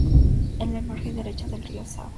En la margen derecha del río Save.